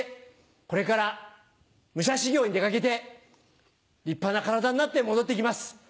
これから武者修行に出掛けて立派な体になって戻って来ます。